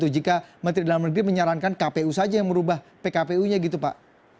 jika menteri dalam negeri menyarankan kpu saja yang merubah pkpu nya gitu pak